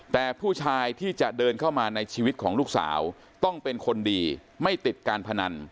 แต่ผู้ชายที่จะเดินเข้ามาในชีวิตของลูกสาวต้องเป็นคนดีไม่ติดการพนัน